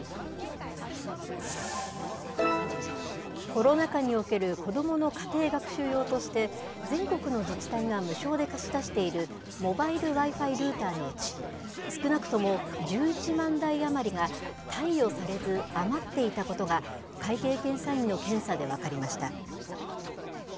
コロナ禍における子どもの家庭学習用として、全国の自治体が無償で貸し出しているモバイルＷｉ−Ｆｉルーターのうち、少なくとも１１万台余りが、貸与されず、余っていたことが、会計検査院の検査で分かりました。